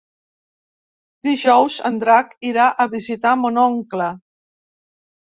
Dijous en Drac irà a visitar mon oncle.